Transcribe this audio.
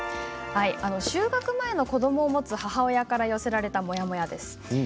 就学前の子どもを持つ母親から寄せられたモヤモヤです。